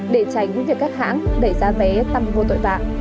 để tránh việc các hãng đẩy giá vé tăng cao